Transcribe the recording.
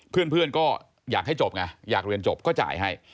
เพื่อนก็อยากให้จบไงอยากเรียนจบก็จ่ายให้